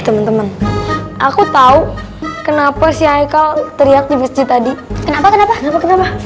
temen temen aku tahu kenapa si aikal teriak di masjid tadi kenapa kenapa kenapa kenapa